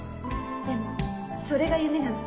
でもそれが夢なの。